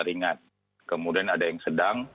ringan kemudian ada yang sedang